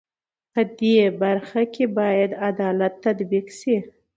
په دې برخه کې بايد عدالت تطبيق شي.